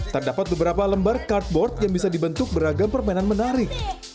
terdapat beberapa lembar cardboard yang bisa dibentuk beragam permainan menarik